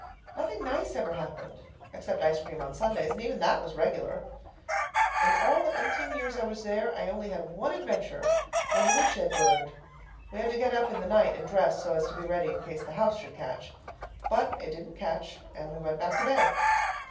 Nothing nice ever happened, except ice cream on Sundays, and even that was regular. In all the eighteen years I was there I only had one adventure when the woodshed burned. We had to get up in the night and dress so as to be ready in case the house should catch. But it didn't catch and we went back to bed.